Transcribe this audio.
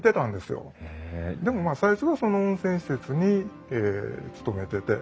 でもまあ最初はその温泉施設に勤めてて。